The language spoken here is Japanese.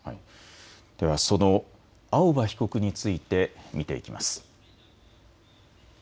ではその青葉被告について見ていきます。